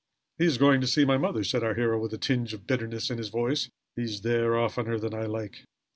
"He is going to see my mother," said our hero, with a tinge of bitterness in his voice. "He is there oftener than I like."